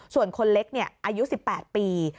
ส่วนคนเล็กอายุ๑๘ปี